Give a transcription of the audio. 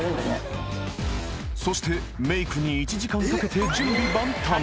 ［そしてメークに１時間かけて準備万端］